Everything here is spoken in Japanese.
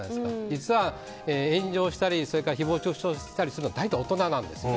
実は、炎上したり誹謗中傷したりするのは大体大人なんです。